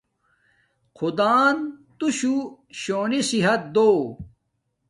خدان تو شو شونی صحت دو